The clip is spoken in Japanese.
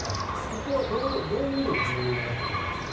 ここはどういう意味で重要になってくるんですか？